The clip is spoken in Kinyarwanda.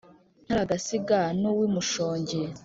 ntaragasiga n’uw’i mushongi